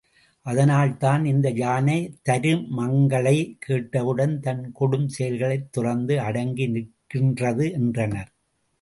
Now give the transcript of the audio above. அதனால்தான் இந்த யானை தருமங்களைக் கேட்டவுடன் தன் கொடுஞ் செயல்களைத் துறந்து அடங்கி நிற்கின்றது என்றனர்.